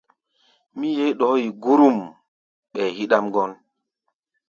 Mí yeé ɗɔɔ́ yi gurum ɓɛɛ híɗʼám gɔ́n.